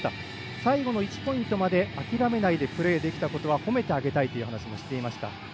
最後の１ポイントまで諦めないでプレーできたことは褒めてあげたいという話もしていました。